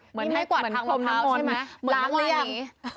เหมือนให้กวาดทางหมะพร้าวล้างหรือยัง